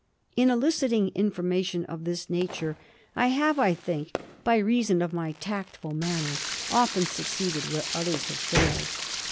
In eliciting information of this nature, I have, I think, by reason of my tactful manner, often succeeded where others have failed.